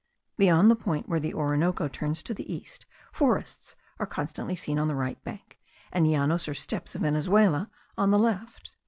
Beyond the point where the Orinoco turns to the east, forests are constantly seen on the right bank, and the llanos or steppes of Venezuela on the left.